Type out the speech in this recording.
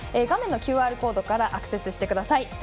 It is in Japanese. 画面のＱＲコードからアクセスしてください。